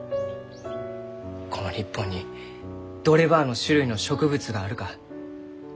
この日本にどればあの種類の植物があるか。